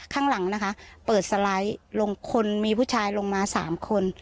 ข้างหลังนะคะเปิดสไลด์ลงคนมีผู้ชายลงมา๓คน